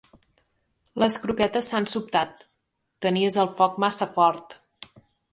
Les croquetes s'han sobtat: tenies el foc massa fort.